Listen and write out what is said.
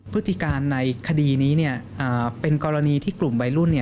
พฤติการในคดีนี้เป็นกรณีที่กลุ่มวัยรุ่น